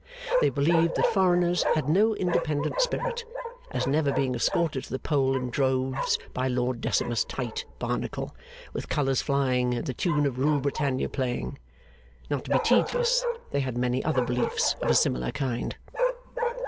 They believed that foreigners had no independent spirit, as never being escorted to the poll in droves by Lord Decimus Tite Barnacle, with colours flying and the tune of Rule Britannia playing. Not to be tedious, they had many other beliefs of a similar kind.